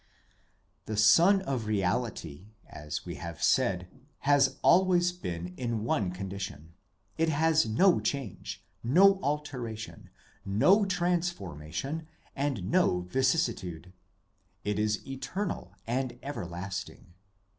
The Sun of Reality, as we have said, has always been in one condition; it has no change, no alteration, no transformation; and no vicissitude. It is eternal and everlasting.